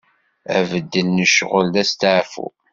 Abeddel n ccɣel, d asteɛfu.